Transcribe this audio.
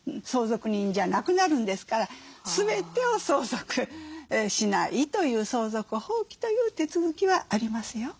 相続人じゃなくなるんですから全てを相続しないという相続放棄という手続きはありますよ。